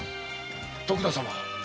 徳田様。